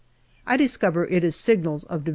I discover it is signals of D.H.